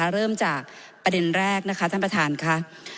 เริ่มจากประเด็นแรกนะคะท่านประธานค่ะ